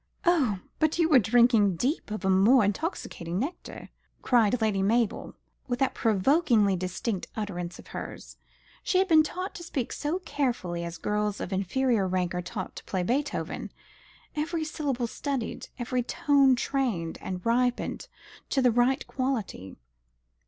"Oh, but you were drinking deep of a more intoxicating nectar," cried Lady Mabel, with that provokingly distinct utterance of hers. She had been taught to speak as carefully as girls of inferior rank are taught to play Beethoven every syllable studied, every tone trained and ripened to the right quality.